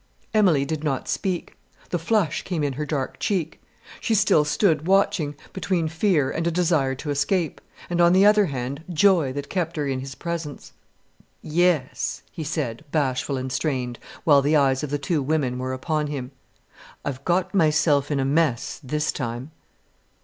Emilie did not speak. The flush came in her dark cheek. She still stood watching, between fear and a desire to escape, and on the other hand joy that kept her in his presence. "Yes," he said, bashful and strained, while the eyes of the two women were upon him. "I've got myself in a mess this time."